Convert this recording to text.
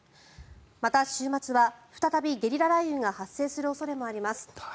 また、週末は再びゲリラ雷雨が発生する恐れもあります。